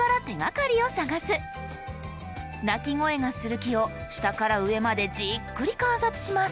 鳴き声がする木を下から上までじっくり観察します。